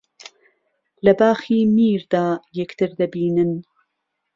لە باخی میردا یەکتر دەبینن